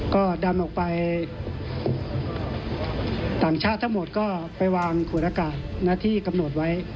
ก็ดันออกไปต่างชาติทั้งหมดก็ไปวางขวดอากาศที่กำหนดไว้